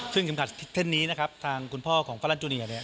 ซึ่งเข็มขัดเส้นนี้นะครับทางคุณพ่อของฝรัจจูเนียเนี่ย